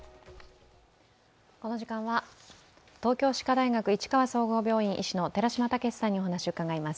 この時間は東京歯科大学市川総合病院医師の寺嶋毅さんにお話を伺います。